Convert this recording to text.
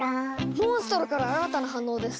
モンストロから新たな反応です！